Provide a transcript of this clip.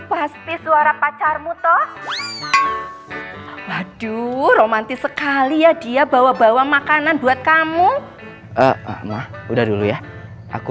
pasti suara pacarmu toh waduh romantis sekali ya dia bawa bawa makanan buat kamu mah udah dulu ya aku